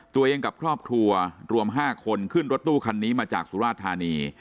ตัวเองกับครอบครัวรวมห้าคนขึ้นรถตู้คันนี้มาจากสุราธารณี